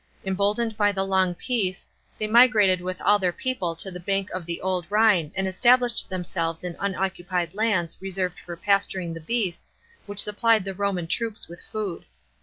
Emboldened by the long peace, they migrated with all their people to the bank of the Old Rhine and established themselves in unoccupied lands reserved for pasturing 54 68 A.D. THE FRISIANS. 301 the beasts which supplied the Roman troops with food.